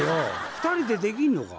２人でできんのか？